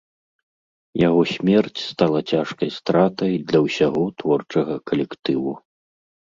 Яго смерць стала цяжкай стратай для ўсяго творчага калектыву.